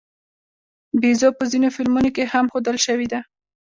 بیزو په ځینو فلمونو کې هم ښودل شوې ده.